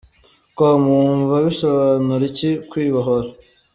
com : Wumva bisobanura iki kwibohora ?.